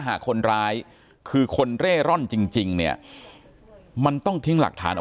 หากคนร้ายคือคนเร่ร่อนจริงเนี่ยมันต้องทิ้งหลักฐานออก